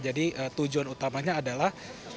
jadi tujuan utamanya adalah